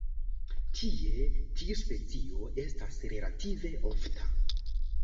Tie tiu specio estas relative ofta.